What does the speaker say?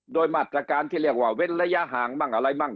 โดยมาตรการที่เรียกว่าเว้นระยะห่างบ้างอะไรมั่ง